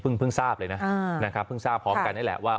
เพิ่งทราบเลยนะพร้อมกันนี่แหละว่า